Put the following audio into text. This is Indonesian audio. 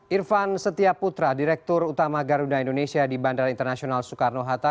irvan setia putra direktur utama garuda indonesia di bandara internasional soekarno hatta